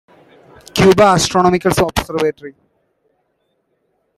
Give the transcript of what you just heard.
Cuba Astronomical Observatory.